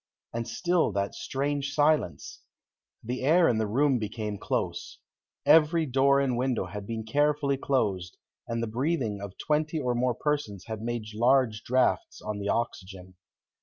And still that strange silence. The air in the room became close. Every door and window had been carefully closed, and the breathing of twenty or more persons had made large drafts on the oxygen.